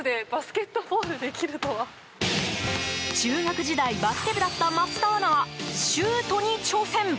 中学時代バスケ部だった桝田アナシュートに挑戦。